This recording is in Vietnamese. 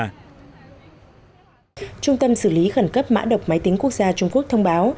trung tâm xử lý khẩn cấp mã độc máy tính quốc gia trung quốc thông báo